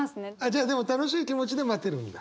じゃあでも楽しい気持ちで待てるんだ。